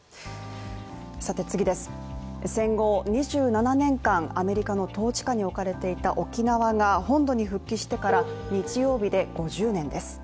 戦後２７年間アメリカの統治下に置かれていた沖縄が本土に復帰してから日曜日で、５０年です。